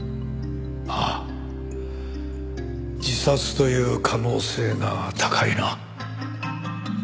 ああ自殺という可能性が高いな。